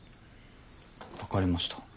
分かりました。